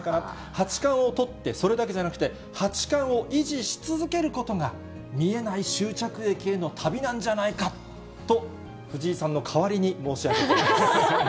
八冠を取って、それだけじゃなくて、八冠を維持し続けることが、見えない終着駅への旅なんじゃないかと、藤井さんの代わりに申し上げておきます。